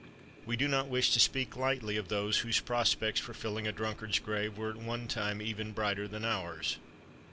We do not wish to speak lightly of those whose prospects for filling a drunkard's grave were at one time even brighter than ours.